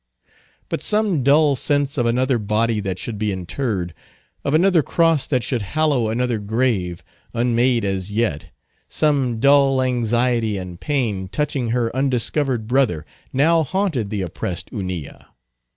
But some dull sense of another body that should be interred, of another cross that should hallow another grave—unmade as yet—some dull anxiety and pain touching her undiscovered brother, now haunted the oppressed Hunilla.